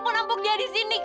mau nampung dia di sini kak